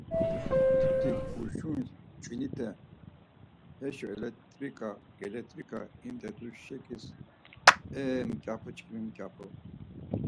Mtuti kurşumiş ç̌vinite heşo elat̆riǩa gelat̆riǩa imt̆et̆uşakiz, E mǩyapu çkimi mǩyapu!